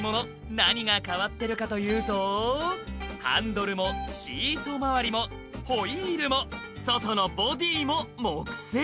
何が変わってるかというとハンドルもシート回りもホイールも外のボディーも木製！